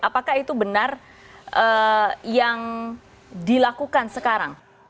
apakah itu benar yang dilakukan sekarang